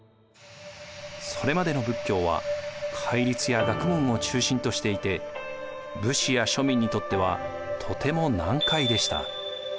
それまでの仏教は戒律や学問を中心としていて武士や庶民にとってはとても難解でした。